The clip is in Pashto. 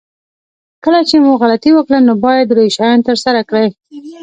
کله چې مو غلطي وکړه نو باید درې شیان ترسره کړئ.